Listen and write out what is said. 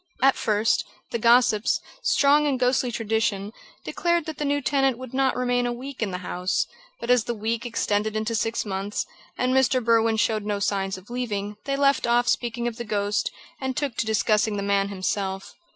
At first, the gossips, strong in ghostly tradition, declared that the new tenant would not remain a week in the house; but as the week extended into six months, and Mr. Berwin showed no signs of leaving, they left off speaking of the ghost and took to discussing the man himself.